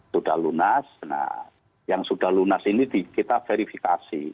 sudah lunas yang sudah lunas ini kita verifikasi